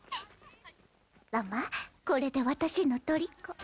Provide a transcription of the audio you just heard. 乱馬これで私のとりこ。